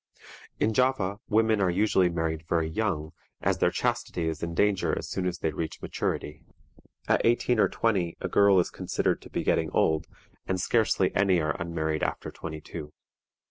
In Java women are usually married very young, as their chastity is in danger as soon as they reach maturity. At eighteen or twenty a girl is considered to be getting old, and scarcely any are unmarried after twenty two.